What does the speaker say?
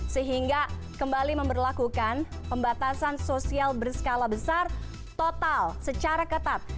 sehingga kembali memperlakukan pembatasan sosial berskala besar total secara ketat